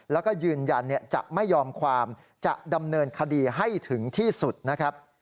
แล้วก็ยืนยันจะไม่ยอมความจะดำเนินคดีให้ถึงที่สุดนะครับ